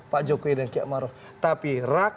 pak jokowi dan kiamaruh tapi